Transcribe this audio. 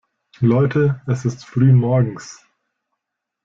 Leute, es ist früh morgens!